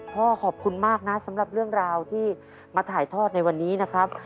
พ่อขอบคุณมากนะสำหรับเรื่องราวที่มาถ่ายทอดในวันนี้นะครับ